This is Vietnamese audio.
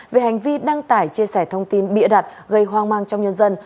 về hành vi đăng tải chia sẻ thông tin bịa đặt gây hoang mang trong nhân dân